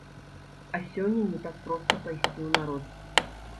А сёння не так проста пайсці ў народ.